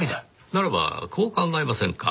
ならばこう考えませんか？